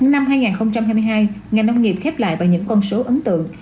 năm hai nghìn hai mươi hai ngành nông nghiệp khép lại bằng những con số ấn tượng